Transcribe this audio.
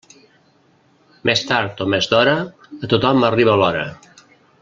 Més tard o més d'hora, a tothom arriba l'hora.